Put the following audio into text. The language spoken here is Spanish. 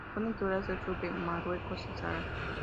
Son naturales del sur de Marruecos y Sahara.